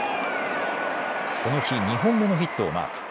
この日２本目のヒットをマーク。